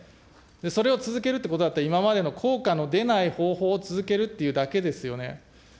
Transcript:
それを続けるということだったら、今までの効果の出ない方法を続けるというだけですよね。